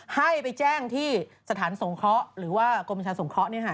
ให้ไปแจ้งที่สถานสงเคราะห์หรือว่ากรมประชาสงเคราะห์